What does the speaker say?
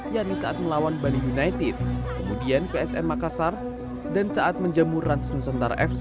yakni saat melawan bali united kemudian psm makassar dan saat menjamu rans nusantara fc